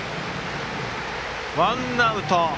ワンアウト。